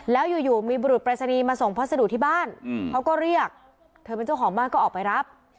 แล้วอยู่มีบุรุษปรายศนีย์มาส่งพัสดุที่บ้านเขาก็เรียกเธอเป็นเจ้าของบ้านก็ออกไปรับ